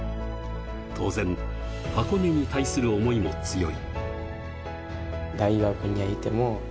当然、箱根に対する思いも強い。